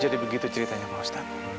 jadi begitu ceritanya pak ustaz